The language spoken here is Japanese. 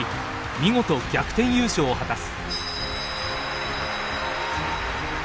見事逆転優勝を果たす。